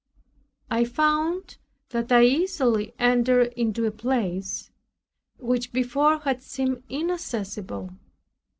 I found that I easily entered into a place, which before had seemed inaccessible.